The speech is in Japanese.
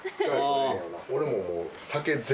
俺ももう。